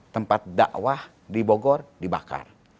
tempat dakwah dibogor dibakar